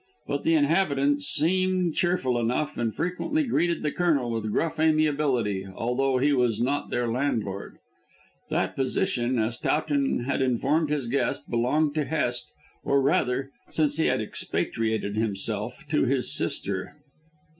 But the inhabitants seemed cheerful enough, and frequently greeted the Colonel with gruff amiability, although he was not their landlord. That position, as Towton had informed his guest, belonged to Hest, or rather since he had expatriated himself to his sister.